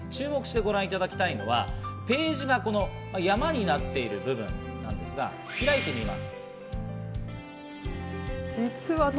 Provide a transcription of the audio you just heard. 注目してご覧いただきたいのは、ページが山になっている部分なんですが、開いてみます。